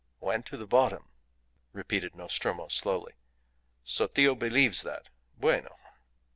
"Went to the bottom?" repeated Nostromo, slowly. "Sotillo believes that? Bueno!"